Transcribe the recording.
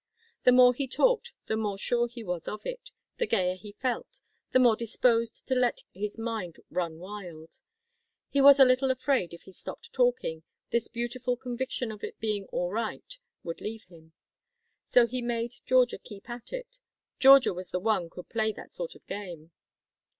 The more he talked, the more sure he was of it, the gayer he felt, the more disposed to let his mind run wild. He was a little afraid if he stopped talking, this beautiful conviction of its being all right would leave him. So he made Georgia keep at it, Georgia was the one could play that sort of game.